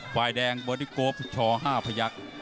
วายแดงเบอร์ดิโก๊ปช๕พยักษ์